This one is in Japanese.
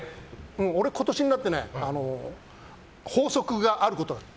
俺、今年になって法則があることが分かった。